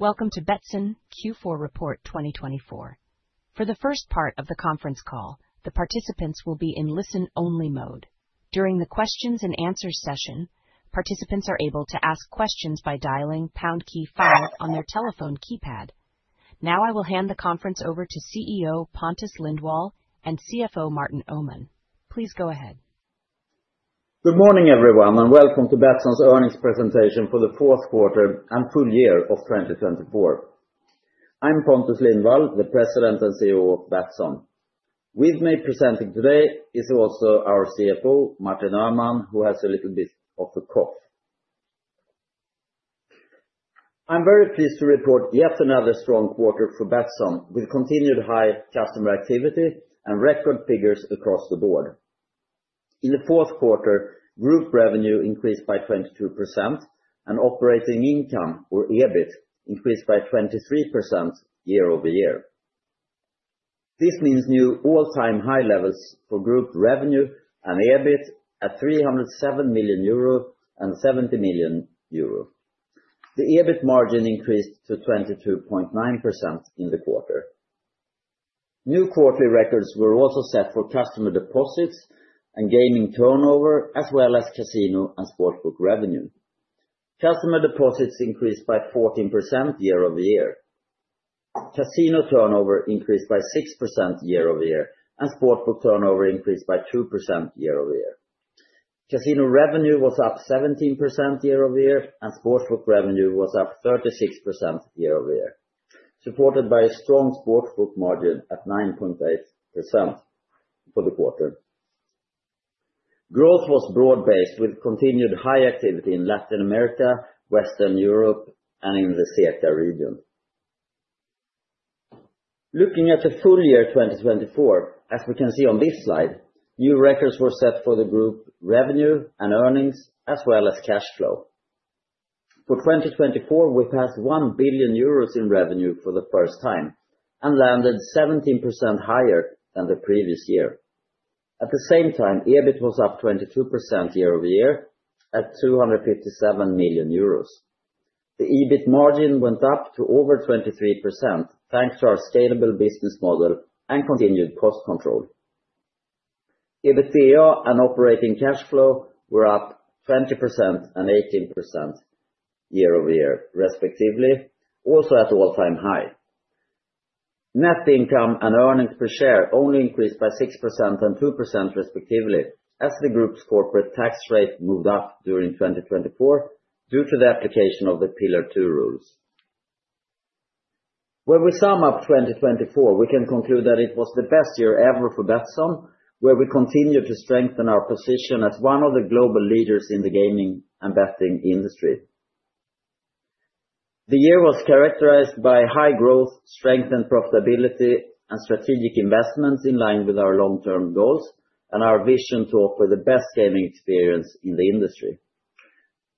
Welcome to Betsson Q4 Report 2024. For the first part of the conference call, the participants will be in listen-only mode. During the Q&A session, participants are able to ask questions by dialing pound 5 on their telephone keypad. Now I will hand the conference over to CEO Pontus Lindwall and CFO Martin Öhman. Please go ahead. Good morning, everyone, and welcome to Betsson's Earnings Presentation for fourth quarter and full year 2024. I'm Pontus Lindwall, the President and CEO of Betsson. With me presenting today is also our CFO, Martin Öhman, who has a little bit of a cough. I'm very pleased to report yet another strong quarter for Betsson, with continued high customer activity and record figures across the board. In fourth quarter, group revenue increased by 22%, and operating income, or EBITDA, increased by 23% year-over-year. This means new all-time high levels for group revenue and EBITDA at 307 million euro and 70 million euro. The EBITDA margin increased to 22.9% in the quarter. New quarterly records were also set for customer deposits and gaming turnover, as well as casino and sportsbook revenue. Customer deposits increased by 14% year-over-year. Casino turnover increased by 6% year-over-year, and sportsbook turnover increased by 2% year-over-year. Casino revenue was up 17% year-over-year, and sportsbook revenue was up 36% year-over-year, supported by a strong sportsbook margin at 9.8% for the quarter. Growth was broad-based, with continued high activity in Latin America, Western Europe, and in the CEECA region. Looking at the full year 2024, as we can see on this slide, new records were set for the group revenue and earnings, as well as cash flow. For 2024, we passed 1 billion euros in revenue for the first time and landed 17% higher than the previous year. At the same time, EBITDA was up 22% year-over-year at 257 million euros. The EBITDA margin went up to over 23%, thanks to our scalable business model and continued cost control. EBITDA and operating cash flow were up 20% and 18% year-over-year, respectively, also at all-time high. Net income and earnings per share only increased by 6% and 2%, respectively, as the group's corporate tax rate moved up during 2024 due to the application of the Pillar 2 rules. When we sum up 2024, we can conclude that it was the best year ever for Betsson, where we continued to strengthen our position as one of the global leaders in the gaming and betting industry. The year was characterized by high growth, strengthened profitability, and strategic investments in line with our long-term goals and our vision to offer the best gaming experience in the industry.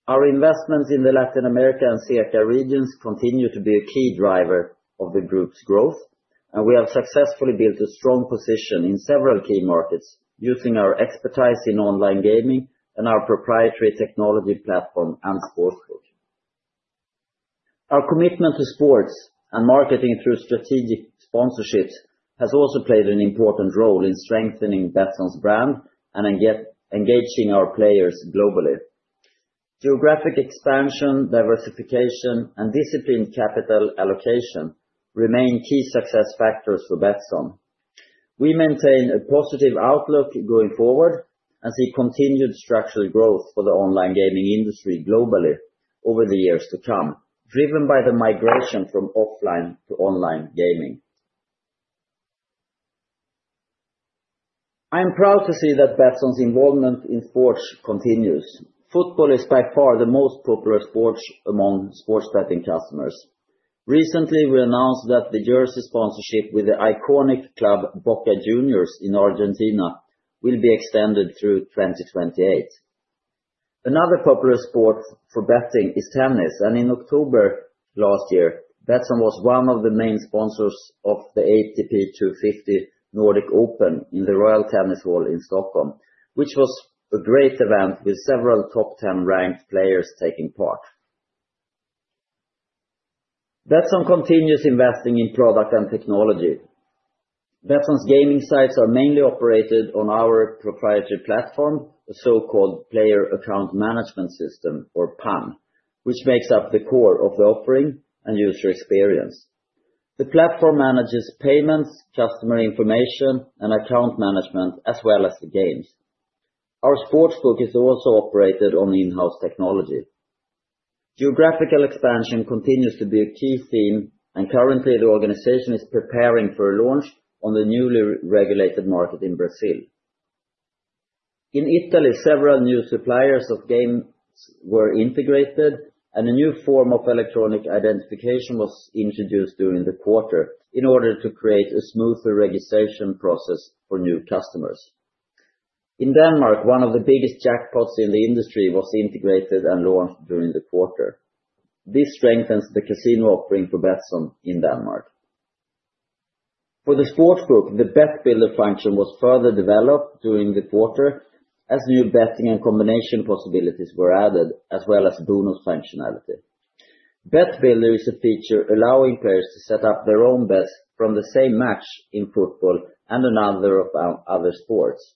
Our investments in the Latin America and CEECA regions continue to be a key driver of the group's growth, and we have successfully built a strong position in several key markets using our expertise in online gaming and our proprietary technology platform and sportsbook. Our commitment to sports and marketing through strategic sponsorships has also played an important role in strengthening Betsson's brand and engaging our players globally. Geographic expansion, diversification, and disciplined capital allocation remain key success factors for Betsson. We maintain a positive outlook going forward and see continued structural growth for the online gaming industry globally over the years to come, driven by the migration from offline to online gaming. I am proud to see that Betsson's involvement in sports continues. Football is by far the most popular sport among sports betting customers. Recently, we announced that the jersey sponsorship with the iconic club Boca Juniors in Argentina will be extended through 2028. Another popular sport for betting is tennis, and in October last year, Betsson was one of the main sponsors of the ATP 250 Nordic Open in the Royal Tennis Hall in Stockholm, which was a great event with several top 10 ranked players taking part. Betsson continues investing in product and technology. Betsson's gaming sites are mainly operated on our proprietary platform, the so-called Player Account Management System, or PAM, which makes up the core of the offering and user experience. The platform manages payments, customer information, and account management, as well as the games. Our sportsbook is also operated on in-house technology. Geographical expansion continues to be a key theme, and currently, the organization is preparing for a launch on the newly regulated market in Brazil. In Italy, several new suppliers of games were integrated, and a new form of electronic identification was introduced during the quarter in order to create a smoother registration process for new customers. In Denmark, one of the biggest jackpots in the industry was integrated and launched during the quarter. This strengthens the casino offering for Betsson in Denmark. For the sportsbook, the BetBuilder function was further developed during the quarter as new betting and combination possibilities were added, as well as bonus functionality. BetBuilder is a feature allowing players to set up their own bets from the same match in football and other sports.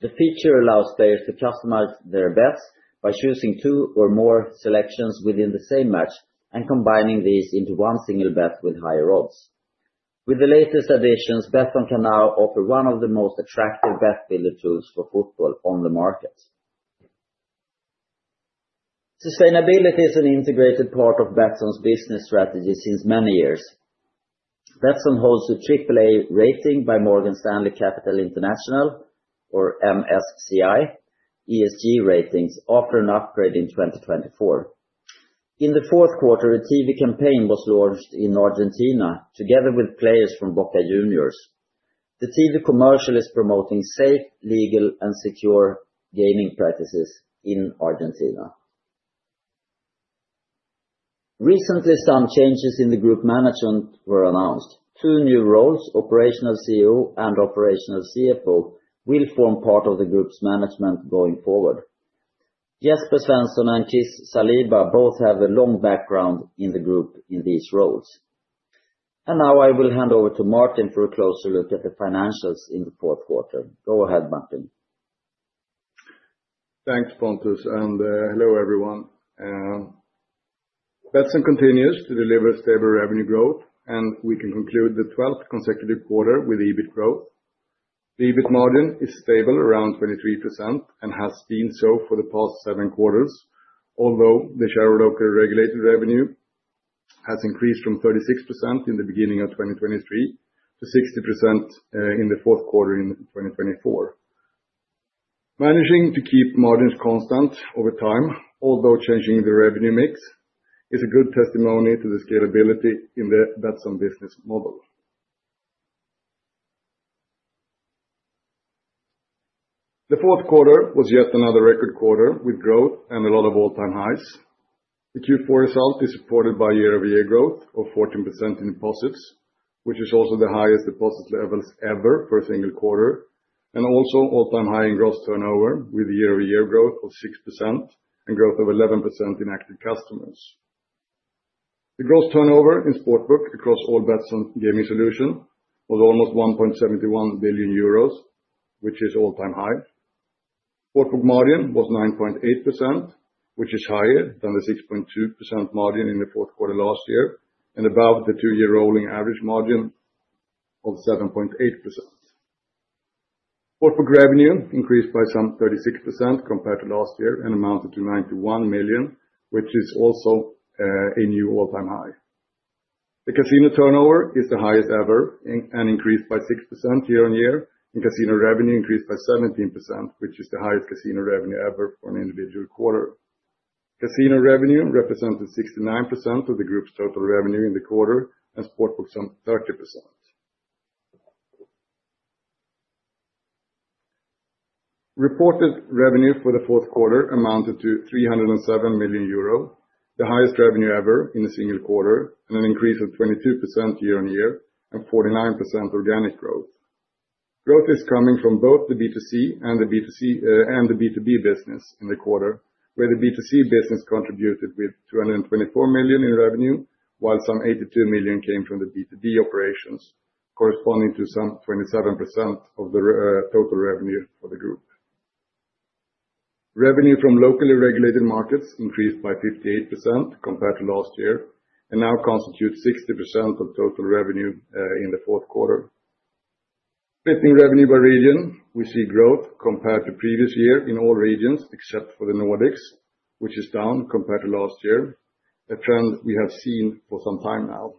The feature allows players to customize their bets by choosing two or more selections within the same match and combining these into one single bet with higher odds. With the latest additions, Betsson can now offer one of the most attractive BetBuilder tools for football on the market. Sustainability is an integrated part of Betsson's business strategy since many years. Betsson holds a AAA rating by Morgan Stanley Capital International, or MSCI. ESG ratings offer an upgrade in 2024. In fourth quarter, a TV campaign was launched in Argentina together with players from Boca Juniors. The TV commercial is promoting safe, legal, and secure gaming practices in Argentina. Recently, some changes in the group management were announced. Two new roles, Operational CEO and Operational CFO, will form part of the group's management going forward. Jesper Svensson and Chris Saliba both have a long background in the group in these roles, and now I will hand over to Martin for a closer look at the financials in fourth quarter. Go ahead, Martin. Thanks, Pontus, and hello, everyone. Betsson continues to deliver stable revenue growth, and we can conclude the 12th consecutive quarter with EBITDA growth. The EBITDA margin is stable, around 23%, and has been so for the past seven quarters, although the share of local regulated revenue has increased from 36% in the beginning of 2023 to 60% in the fourth quarter in 2024. Managing to keep margins constant over time, although changing the revenue mix, is a good testimony to the scalability in the Betsson business model. The fourth quarter was yet another record quarter with growth and a lot of all-time highs. The Q4 result is supported by year-over-year growth of 14% in deposits, which is also the highest deposit levels ever for a single quarter, and also all-time high in gross turnover, with year-over-year growth of 6% and growth of 11% in active customers. The gross turnover in sportsbook across all Betsson gaming solutions was almost 1.71 billion euros, which is an all-time high. Sportsbook margin was 9.8%, which is higher than the 6.2% margin in the fourth quarter last year and above the two-year rolling average margin of 7.8%. Sportsbook revenue increased by some 36% compared to last year and amounted to 91 million, which is also a new all-time high. The casino turnover is the highest ever and increased by 6% year-on-year, and casino revenue increased by 17%, which is the highest casino revenue ever for an individual quarter. Casino revenue represented 69% of the group's total revenue in the quarter and sportsbook some 30%. Reported revenue for the fourth quarter amounted to 307 million euro, the highest revenue ever in a single quarter, and an increase of 22% year-on-year and 49% organic growth. Growth is coming from both the B2C and the B2B business in the quarter, where the B2C business contributed with 224 million in revenue, while some 82 million came from the B2B operations, corresponding to some 27% of the total revenue for the group. Revenue from locally regulated markets increased by 58% compared to last year and now constitutes 60% of total revenue in the fourth quarter. Betting revenue by region, we see growth compared to previous year in all regions except for the Nordics, which is down compared to last year, a trend we have seen for some time now.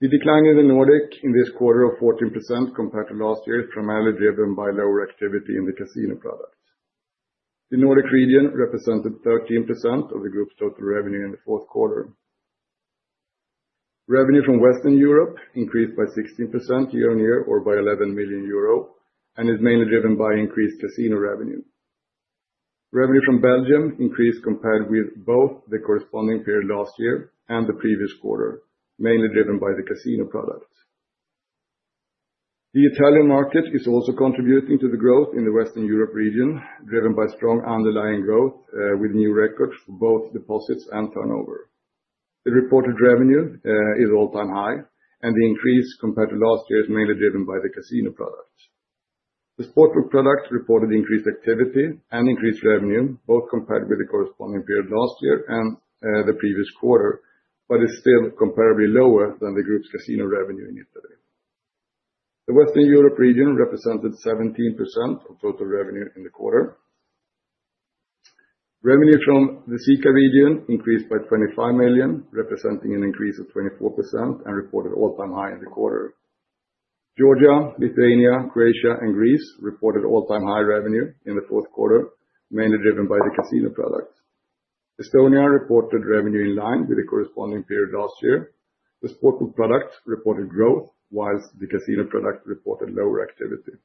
The decline in the Nordics in this quarter of 14% compared to last year is primarily driven by lower activity in the casino product. The Nordic region represented 13% of the group's total revenue in fourth quarter. Revenue from Western Europe increased by 16% year-on-year, or by 11 million euro, and is mainly driven by increased casino revenue. Revenue from Belgium increased compared with both the corresponding period last year and the previous quarter, mainly driven by the casino product. The Italian market is also contributing to the growth in the Western Europe region, driven by strong underlying growth with new records for both deposits and turnover. The reported revenue is all-time high, and the increase compared to last year is mainly driven by the casino product. The sportsbook product reported increased activity and increased revenue, both compared with the corresponding period last year and the previous quarter, but is still comparably lower than the group's casino revenue in Italy. The Western Europe region represented 17% of total revenue in the quarter. Revenue from the CEECA region increased by 25 million, representing an increase of 24% and reported all-time high in the quarter. Georgia, Lithuania, Croatia, and Greece reported all-time high revenue in the fourth quarter, mainly driven by the casino product. Estonia reported revenue in line with the corresponding period last year. The sportsbook product reported growth, while the casino product reported lower activity.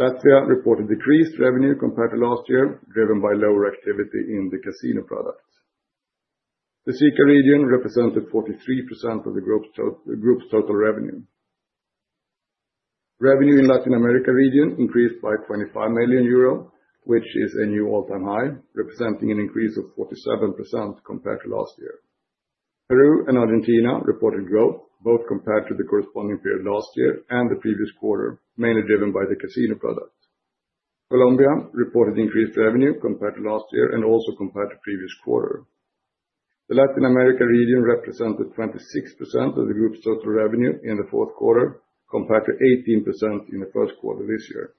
Latvia reported decreased revenue compared to last year, driven by lower activity in the casino product. The CEECA region represented 43% of the group's total revenue. Revenue in the Latin America region increased by 25 million euro, which is a new all-time high, representing an increase of 47% compared to last year. Peru and Argentina reported growth, both compared to the corresponding period last year and the previous quarter, mainly driven by the casino product. Colombia reported increased revenue compared to last year and also compared to previous quarter. The Latin America region represented 26% of the group's total revenue in the fourth quarter, compared to 18% in first quarter this year.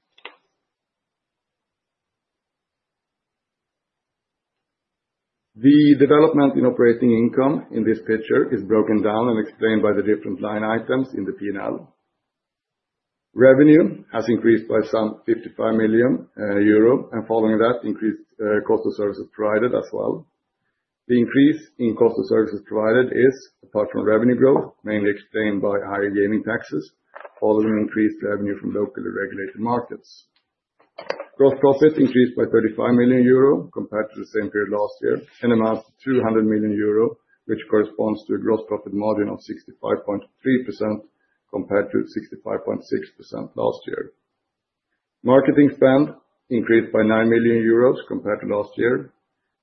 The development in operating income in this picture is broken down and explained by the different line items in the P&L. Revenue has increased by some 55 million euro, and following that, increased cost of services provided as well. The increase in cost of services provided is, apart from revenue growth, mainly explained by higher gaming taxes, following increased revenue from locally regulated markets. Gross profit increased by 35 million euro compared to the same period last year and amounts to 200 million euro, which corresponds to a gross profit margin of 65.3% compared to 65.6% last year. Marketing spend increased by 9 million euros compared to last year.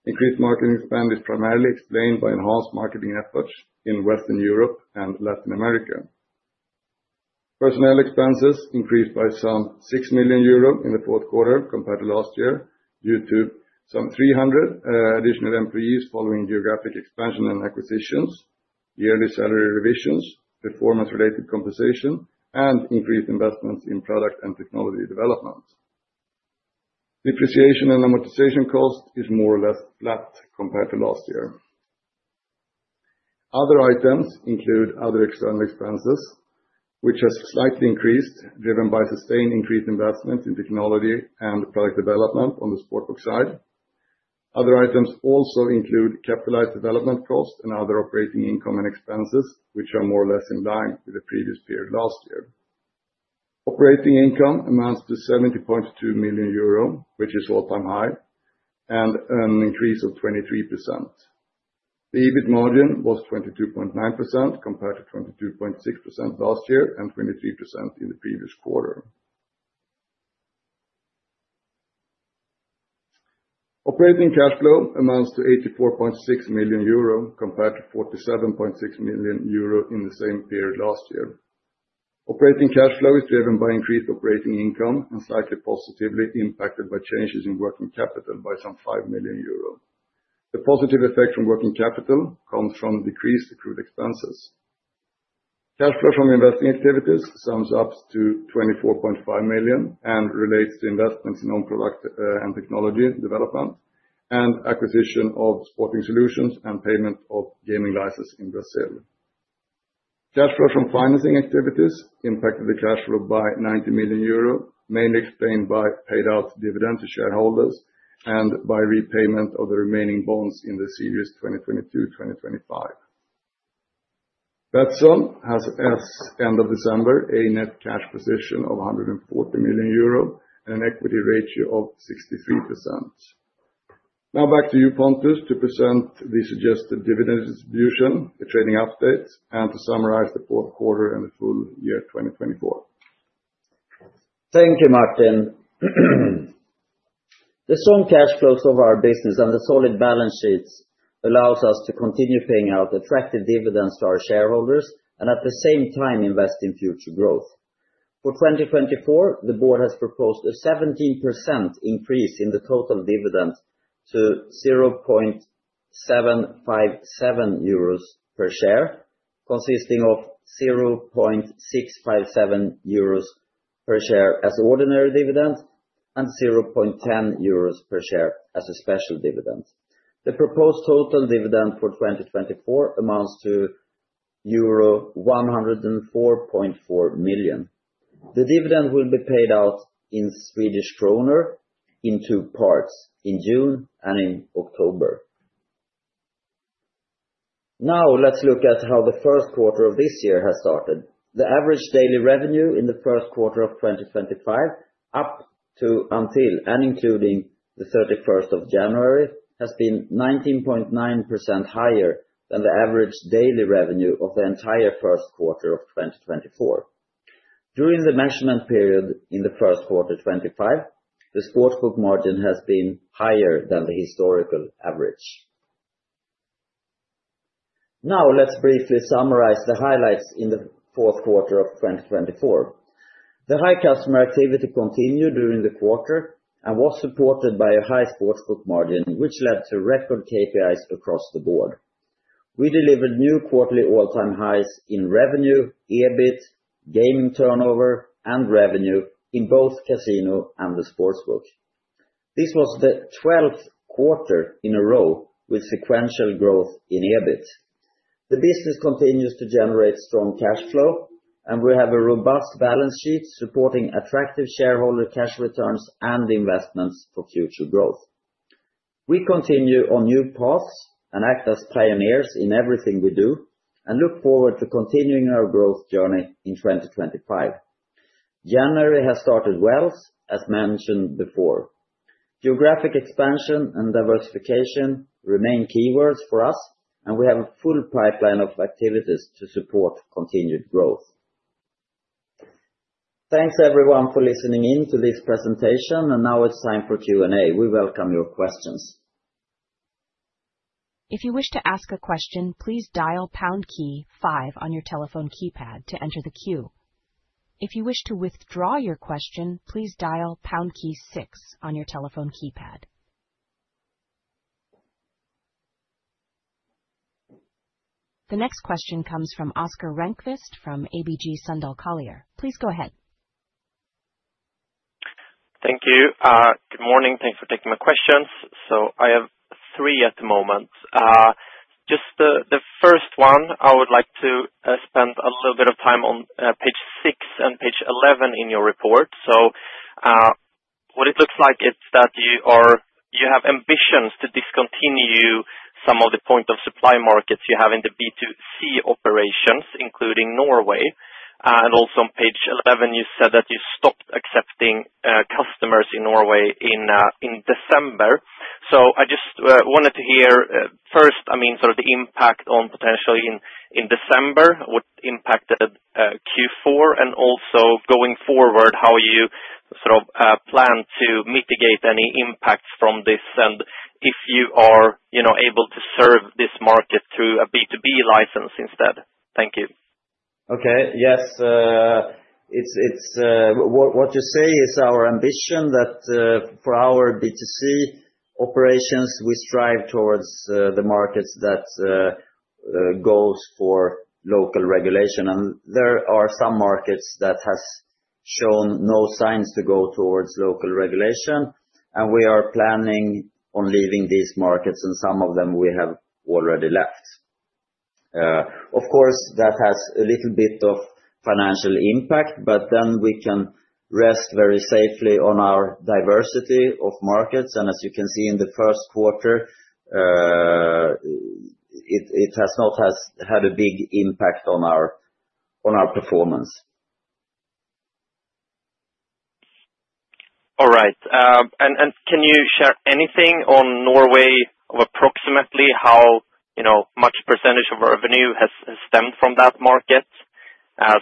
Increased marketing spend is primarily explained by enhanced marketing efforts in Western Europe and Latin America. Personnel expenses increased by some 6 million euros in the fourth quarter compared to last year due to some 300 additional employees following geographic expansion and acquisitions, yearly salary revisions, performance-related compensation, and increased investments in product and technology development. Depreciation and amortization cost is more or less flat compared to last year. Other items include other external expenses, which have slightly increased, driven by sustained increased investments in technology and product development on the sportsbook side. Other items also include capitalized development cost and other operating income and expenses, which are more or less in line with the previous period last year. Operating income amounts to 70.2 million euro, which is all-time high, and an increase of 23%. The EBITDA margin was 22.9% compared to 22.6% last year and 23% in the previous quarter. Operating cash flow amounts to 84.6 million euro compared to 47.6 million euro in the same period last year. Operating cash flow is driven by increased operating income and slightly positively impacted by changes in working capital by some 5 million euros. The positive effect from working capital comes from decreased accrued expenses. Cash flow from investing activities sums up to 24.5 million and relates to investments in non-product and technology development and acquisition of Sporting Solutions and payment of gaming licenses in Brazil. Cash flow from financing activities impacted the cash flow by 90 million euro, mainly explained by paid-out dividend to shareholders and by repayment of the remaining bonds in the series 2022-2025. Betsson has, as of end of December, a net cash position of 140 million euro and an equity ratio of 63%. Now back to you, Pontus, to present the suggested dividend distribution, the trading updates, and to summarize the fourth quarter and the full year 2024. Thank you, Martin. The strong cash flows of our business and the solid balance sheets allow us to continue paying out attractive dividends to our shareholders and, at the same time, invest in future growth. For 2024, the Board has proposed a 17% increase in the total dividend to 0.757 euros per share, consisting of 0.657 euros per share as ordinary dividend and 0.10 euros per share as a special dividend. The proposed total dividend for 2024 amounts to euro 104.4 million. The dividend will be paid out in Swedish kronor in two parts, in June and in October. Now let's look at how the first quarter of this year has started. The average daily revenue in the first quarter of 2025, up to and including the 31st of January, has been 19.9% higher than the average daily revenue of the entire first quarter of 2024. During the measurement period in the first quarter 2025, the sportsbook margin has been higher than the historical average. Now let's briefly summarize the highlights in the fourth quarter of 2024. The high customer activity continued during the quarter and was supported by a high sportsbook margin, which led to record KPIs across the board. We delivered new quarterly all-time highs in revenue, EBITDA, gaming turnover, and revenue in both casino and the sportsbook. This was the 12th quarter in a row with sequential growth in EBITDA. The business continues to generate strong cash flow, and we have a robust balance sheet supporting attractive shareholder cash returns and investments for future growth. We continue on new paths and act as pioneers in everything we do and look forward to continuing our growth journey in 2025. January has started well, as mentioned before. Geographic expansion and diversification remain keywords for us, and we have a full pipeline of activities to support continued growth. Thanks, everyone, for listening in to this presentation, and now it's time for Q&A. We welcome your questions. If you wish to ask a question, please dial pound key 5 on your telephone keypad to enter the queue. If you wish to withdraw your question, please dial pound key 6 on your telephone keypad. The next question comes from Oscar Rönnkvist from ABG Sundal Collier. Please go ahead. Thank you. Good morning. Thanks for taking my questions. So I have three at the moment. Just the first one, I would like to spend a little bit of time on page 6 and page 11 in your report. So what it looks like is that you have ambitions to discontinue some of the point-of-supply markets you have in the B2C operations, including Norway. And also on page 11, you said that you stopped accepting customers in Norway in December. So I just wanted to hear first, I mean, sort of the impact on potentially in December, what impacted Q4, and also going forward, how you sort of plan to mitigate any impacts from this and if you are able to serve this market through a B2B license instead. Thank you. Okay. Yes. What you say is our ambition that for our B2C operations, we strive towards the markets that go for local regulation, and there are some markets that have shown no signs to go towards local regulation, and we are planning on leaving these markets, and some of them we have already left. Of course, that has a little bit of financial impact, but then we can rest very safely on our diversity of markets, and as you can see in the first quarter, it has not had a big impact on our performance. All right, and can you share anything on Norway of approximately how much percentage of our revenue has stemmed from that market,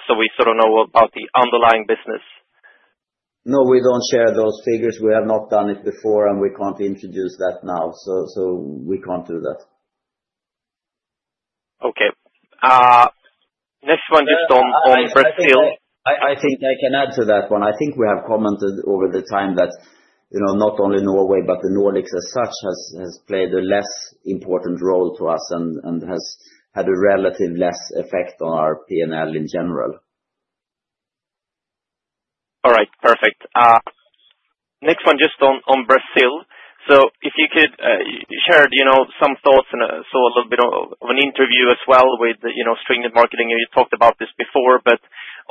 so we sort of know about the underlying business? No, we don't share those figures. We have not done it before, and we can't introduce that now. So we can't do that. Okay. Next one just on Brazil. I think I can add to that one. I think we have commented over the time that not only Norway, but the Nordics as such has played a less important role to us and has had a relatively less effect on our P&L in general. All right. Perfect. Next one just on Brazil. So if you could share some thoughts and saw a little bit of an interview as well with Jesper on marketing, and you talked about this before. But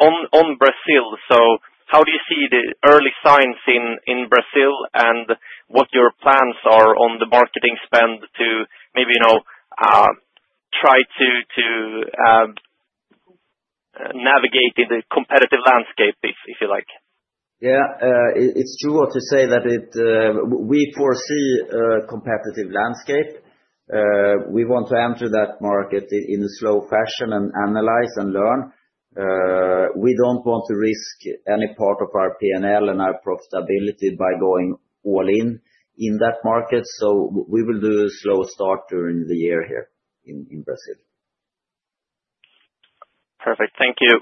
on Brazil, so how do you see the early signs in Brazil and what your plans are on the marketing spend to maybe try to navigate in the competitive landscape, if you like? Yeah. It's true what you say that we foresee a competitive landscape. We want to enter that market in a slow fashion and analyze and learn. We don't want to risk any part of our P&L and our profitability by going all in in that market. So we will do a slow start during the year here in Brazil. Perfect. Thank you.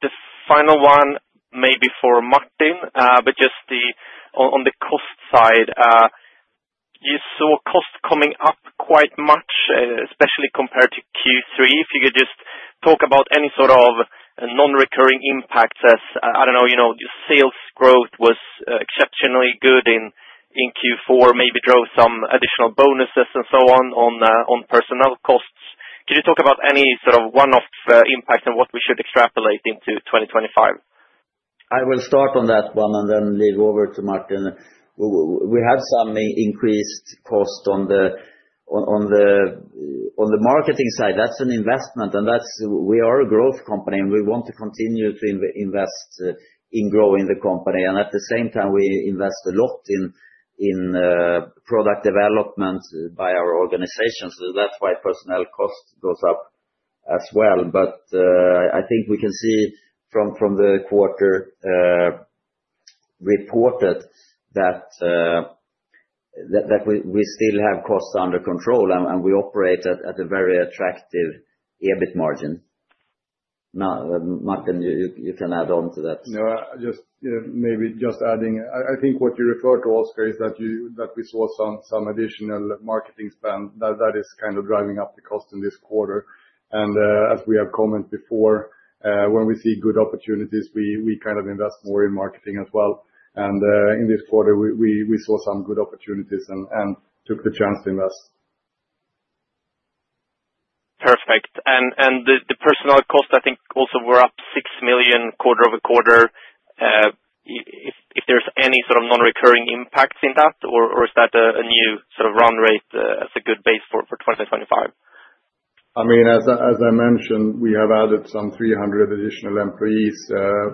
The final one may be for Martin, but just on the cost side, you saw costs coming up quite much, especially compared to Q3. If you could just talk about any sort of non-recurring impacts as, I don't know, your sales growth was exceptionally good in Q4, maybe drove some additional bonuses and so on on personnel costs. Could you talk about any sort of one-off impact and what we should extrapolate into 2025? I will start on that one and then hand over to Martin. We have some increased cost on the marketing side. That's an investment, and we are a growth company, and we want to continue to invest in growing the company. And at the same time, we invest a lot in product development by our organization. So that's why personnel cost goes up as well. But I think we can see from the quarter reported that we still have costs under control, and we operate at a very attractive EBITDA margin. Martin, you can add on to that. No, just maybe just adding, I think what you referred to, Oscar, is that we saw some additional marketing spend that is kind of driving up the cost in this quarter. And as we have commented before, when we see good opportunities, we kind of invest more in marketing as well. And in this quarter, we saw some good opportunities and took the chance to invest. Perfect. And the personnel cost, I think, also were up 6 million quarter-over-quarter. If there's any sort of non-recurring impacts in that, or is that a new sort of run rate as a good base for 2025? I mean, as I mentioned, we have added some 300 additional employees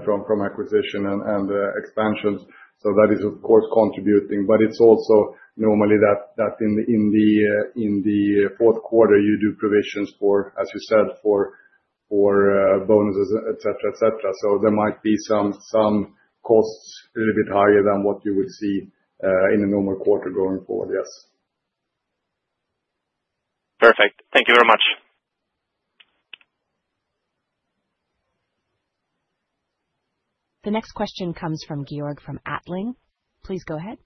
from acquisition and expansions. So that is, of course, contributing. But it's also normally that in the fourth quarter, you do provisions for, as you said, for bonuses, etc., etc. So there might be some costs a little bit higher than what you would see in a normal quarter going forward, yes. Perfect. Thank you very much. The next question comes from Georg Attling. Please go ahead.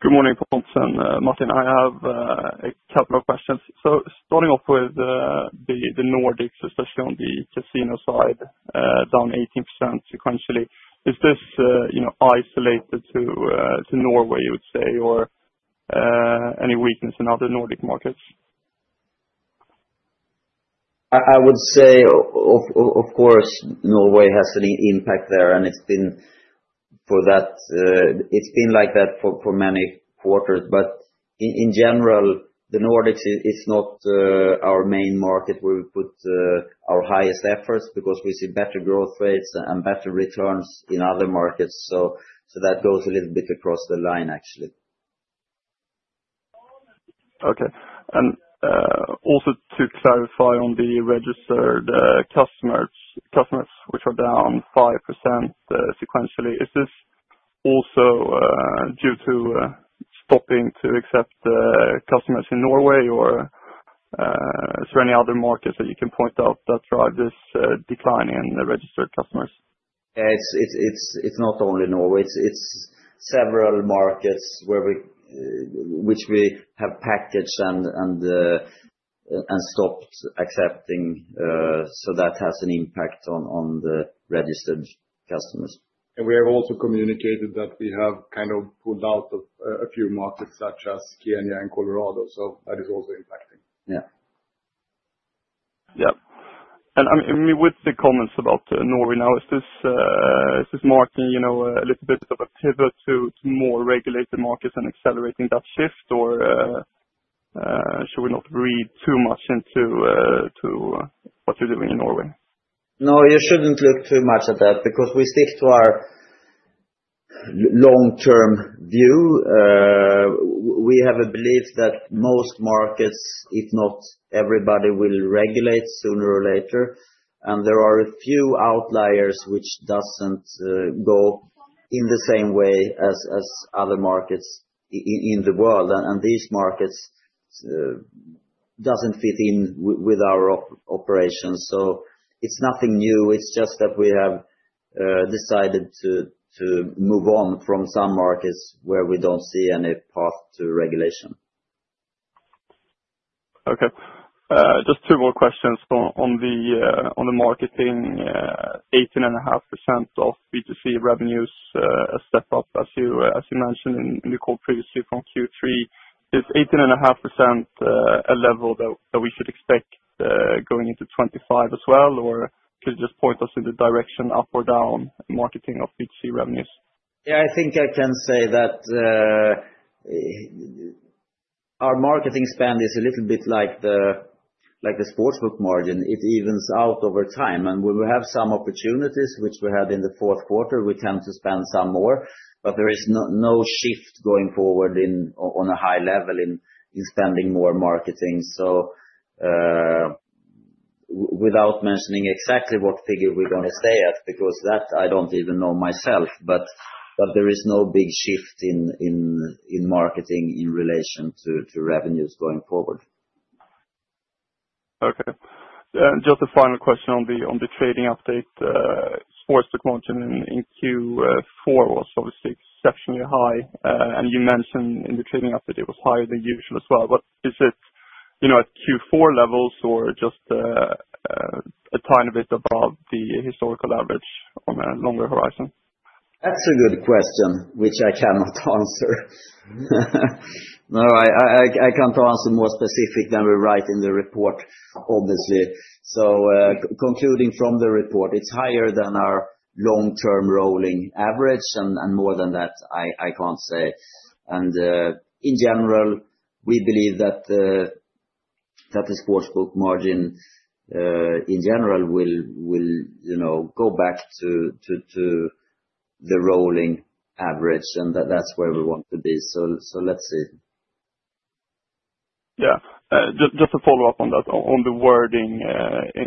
Good morning, Pontus and Martin. I have a couple of questions. So starting off with the Nordics, especially on the casino side, down 18% sequentially. Is this isolated to Norway, you would say, or any weakness in other Nordic markets? I would say, of course, Norway has an impact there, and it's been like that for many quarters. But in general, the Nordics, it's not our main market where we put our highest efforts because we see better growth rates and better returns in other markets. So that goes a little bit across the line, actually. Okay. And also to clarify on the registered customers, which are down 5% sequentially, is this also due to stopping to accept customers in Norway, or is there any other markets that you can point out that drive this decline in registered customers? It's not only Norway. It's several markets which we have packaged and stopped accepting. So that has an impact on the registered customers. And we have also communicated that we have kind of pulled out of a few markets such as Kenya and Colorado. So that is also impacting. With the comments about Norway now, is this marking a little bit of a pivot to more regulated markets and accelerating that shift, or should we not read too much into what you're doing in Norway? No, you shouldn't look too much at that because we stick to our long-term view. We have a belief that most markets, if not everybody, will regulate sooner or later. And there are a few outliers which don't go in the same way as other markets in the world. And these markets don't fit in with our operations. So it's nothing new. It's just that we have decided to move on from some markets where we don't see any path to regulation. Okay. Just two more questions. On the marketing, 18.5% of B2C revenues step up, as you mentioned in the call previously from Q3. Is 18.5% a level that we should expect going into 2025 as well, or could you just point us in the direction up or down marketing of B2C revenues? Yeah, I think I can say that our marketing spend is a little bit like the sportsbook margin. It evens out over time. And when we have some opportunities, which we had in the fourth quarter, we tend to spend some more. But there is no shift going forward on a high level in spending more marketing. So without mentioning exactly what figure we're going to stay at, because that I don't even know myself, but there is no big shift in marketing in relation to revenues going forward. Okay. And just a final question on the trading update. Sportsbook margin in Q4 was obviously exceptionally high. And you mentioned in the trading update, it was higher than usual as well. But is it at Q4 levels or just a tiny bit above the historical average on a longer horizon? That's a good question, which I cannot answer. No, I can't answer more specific than we write in the report, obviously. So concluding from the report, it's higher than our long-term rolling average, and more than that, I can't say, and in general, we believe that the sportsbook margin in general will go back to the rolling average, and that's where we want to be, so let's see. Yeah. Just to follow up on that, on the wording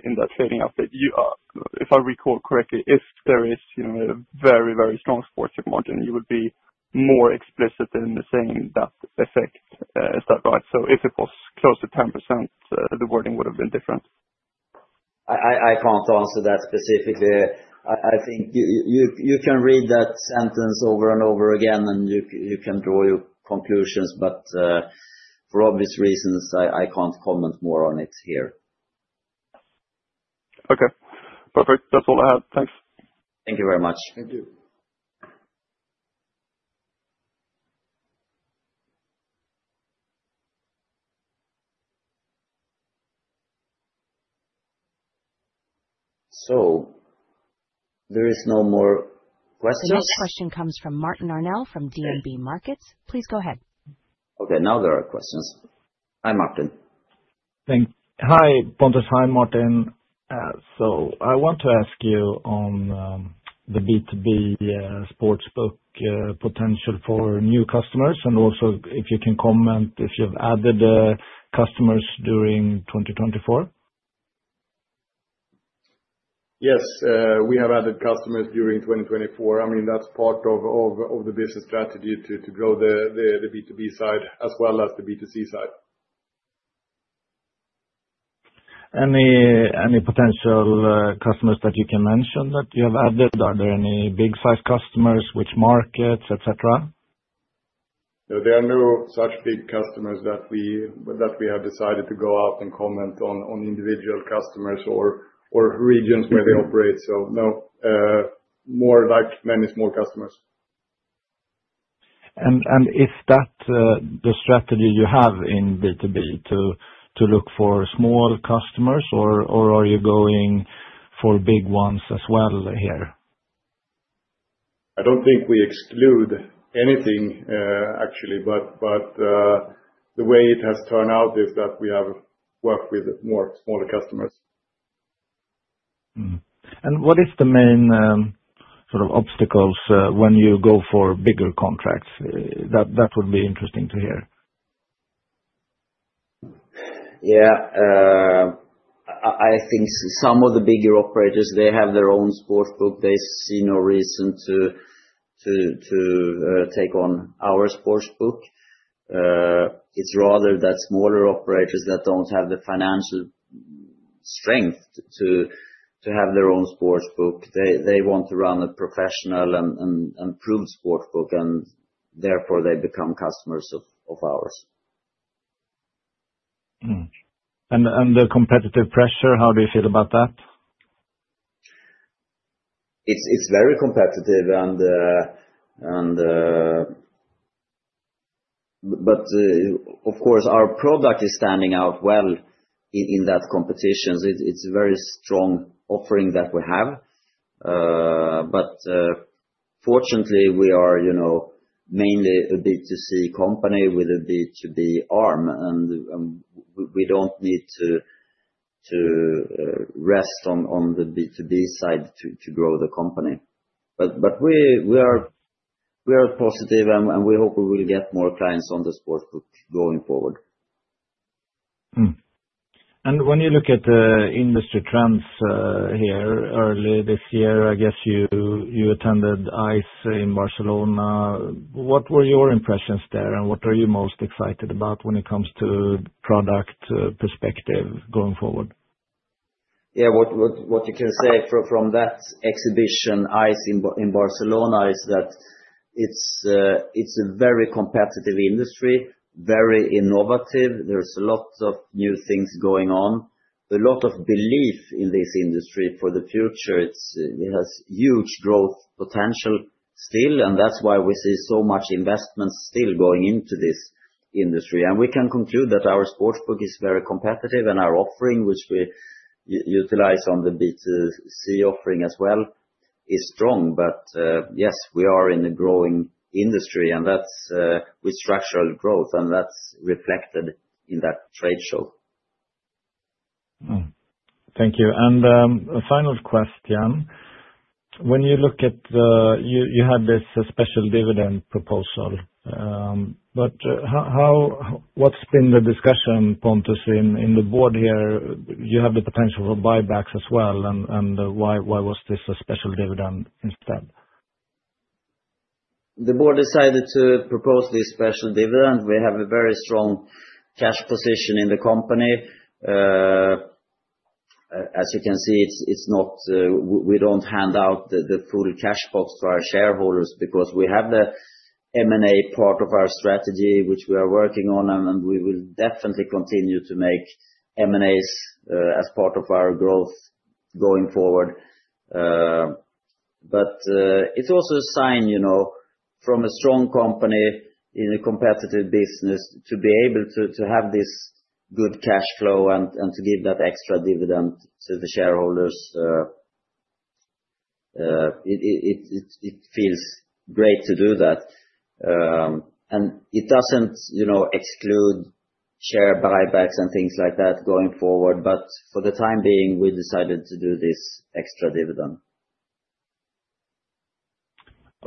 in that trading update, if I recall correctly, if there is a very, very strong sportsbook margin, you would be more explicit in saying that effect. Is that right? So if it was close to 10%, the wording would have been different? I can't answer that specifically. I think you can read that sentence over and over again, and you can draw your conclusions. But for obvious reasons, I can't comment more on it here. Okay. Perfect. That's all I had. Thanks. Thank you very much. Thank you. So there is no more questions? The next question comes from Martin Arnell from DNB Markets. Please go ahead. Okay. Now there are questions. Hi, Martin. Hi, Pontus. Hi, Martin. So I want to ask you on the B2B sportsbook potential for new customers, and also if you can comment if you've added customers during 2024? Yes. We have added customers during 2024. I mean, that's part of the business strategy to grow the B2B side as well as the B2C side. Any potential customers that you can mention that you have added? Are there any big-sized customers, which markets, etc.? There are no such big customers that we have decided to go out and comment on individual customers or regions where they operate. So no, more like many small customers. And is that the strategy you have in B2B, to look for small customers, or are you going for big ones as well here? I don't think we exclude anything, actually. But the way it has turned out is that we have worked with more smaller customers. What is the main sort of obstacles when you go for bigger contracts? That would be interesting to hear. Yeah. I think some of the bigger operators, they have their own sportsbook. They see no reason to take on our sportsbook. It's rather that smaller operators that don't have the financial strength to have their own sportsbook. They want to run a professional and proven sportsbook, and therefore they become customers of ours. The competitive pressure, how do you feel about that? It's very competitive. But of course, our product is standing out well in that competition. It's a very strong offering that we have. But fortunately, we are mainly a B2C company with a B2B arm, and we don't need to rest on the B2B side to grow the company. But we are positive, and we hope we will get more clients on the sportsbook going forward. When you look at the industry trends here early this year, I guess you attended ICE in Barcelona. What were your impressions there, and what are you most excited about when it comes to product perspective going forward? Yeah. What you can say from that exhibition, ICE in Barcelona, is that it's a very competitive industry, very innovative. There's a lot of new things going on. A lot of belief in this industry for the future. It has huge growth potential still, and that's why we see so much investment still going into this industry. And we can conclude that our sportsbook is very competitive, and our offering, which we utilize on the B2C offering as well, is strong. But yes, we are in a growing industry, and we structure growth, and that's reflected in that trade show. Thank you. And a final question. When you look at, you had this special dividend proposal. But what's been the discussion, Pontus, in the Board here? You have the potential for buybacks as well. And why was this a special dividend instead? The Board decided to propose this special dividend. We have a very strong cash position in the company. As you can see, we don't hand out the full cash box to our shareholders because we have the M&A part of our strategy, which we are working on, and we will definitely continue to make M&As as part of our growth going forward, but it's also a sign from a strong company in a competitive business to be able to have this good cash flow and to give that extra dividend to the shareholders. It feels great to do that, and it doesn't exclude share buybacks and things like that going forward, but for the time being, we decided to do this extra dividend.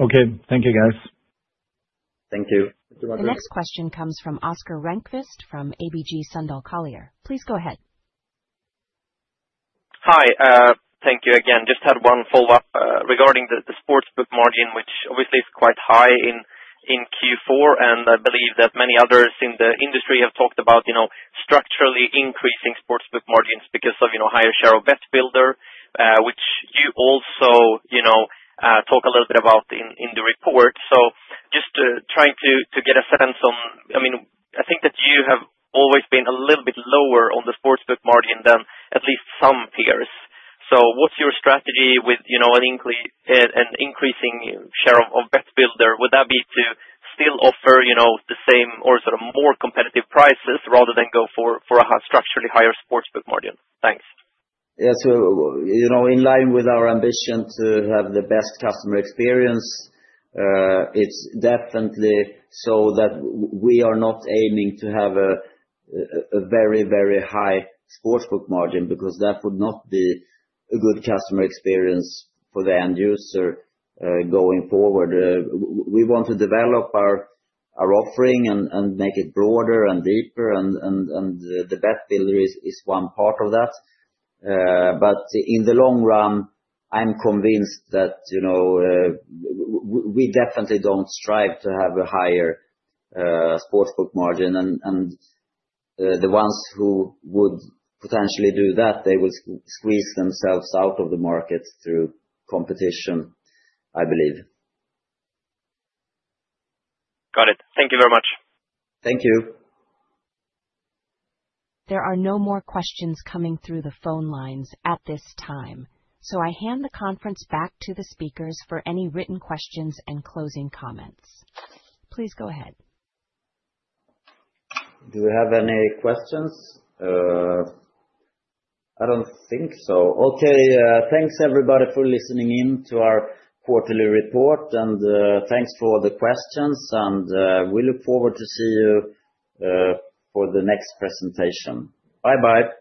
Okay. Thank you, guys. Thank you. The next question comes from Oscar Rönnkvist from ABG Sundal Collier. Please go ahead. Hi. Thank you again. Just had one follow-up regarding the sportsbook margin, which obviously is quite high in Q4. And I believe that many others in the industry have talked about structurally increasing sportsbook margins because of higher share of BetBuilder, which you also talk a little bit about in the report. So just trying to get a sense on, I mean, I think that you have always been a little bit lower on the sportsbook margin than at least some peers. So what's your strategy with an increasing share of bet builder? Would that be to still offer the same or sort of more competitive prices rather than go for a structurally higher sportsbook margin? Thanks. Yeah. So in line with our ambition to have the best customer experience, it's definitely so that we are not aiming to have a very, very high sportsbook margin because that would not be a good customer experience for the end user going forward. We want to develop our offering and make it broader and deeper, and the BetBuilder is one part of that. But in the long run, I'm convinced that we definitely don't strive to have a higher sportsbook margin. And the ones who would potentially do that, they would squeeze themselves out of the market through competition, I believe. Got it. Thank you very much. Thank you. There are no more questions coming through the phone lines at this time. So I hand the conference back to the speakers for any written questions and closing comments. Please go ahead. Do we have any questions? I don't think so. Okay. Thanks, everybody, for listening in to our quarterly report. And thanks for the questions. And we look forward to seeing you for the next presentation. Bye-bye.